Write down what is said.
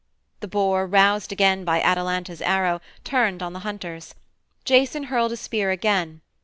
The boar, roused again by Atalanta's arrow, turned on the hunters. Jason hurled a spear again.